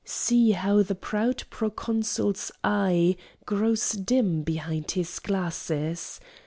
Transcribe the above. See how the proud Proconsul's eye Grows dim behind his glasses!